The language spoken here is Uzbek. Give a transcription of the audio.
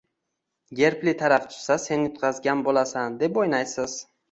gerbli tarafi tushsa, sen yutqazgan bo‘lasan, deb o‘ynaysiz.